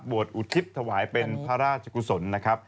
อุทิศถวายเป็นพระราชกุศลนะครับ